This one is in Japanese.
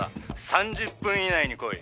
「３０分以内に来い。